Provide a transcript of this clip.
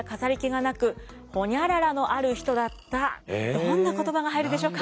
どんな言葉が入るでしょうか？